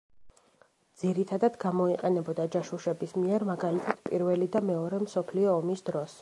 ძირითადად გამოიყენებოდა ჯაშუშების მიერ, მაგალითად, პირველი და მეორე მსოფლიო ომის დროს.